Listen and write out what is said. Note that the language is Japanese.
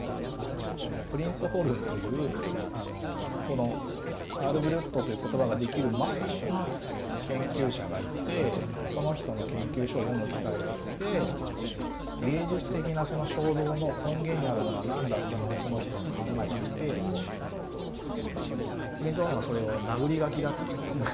プリンツホルンというこのアール・ブリュットという言葉が出来る前の研究者がいてその人の研究書を読む機会があって「芸術的な衝動の根源にあるものは何だ」っていうのをその人は考えていてプリンツホルンはそれをなぐり書きだって言うんですね。